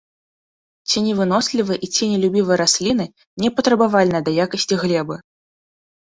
Ценевынослівыя і ценелюбівыя расліны, непатрабавальныя да якасці глебы.